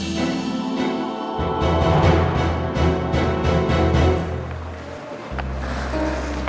saya sudah tahu